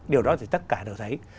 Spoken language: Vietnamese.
điều đó thì tất cả đều thấy